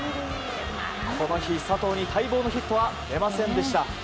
この日、佐藤に待望のヒットは出ませんでした。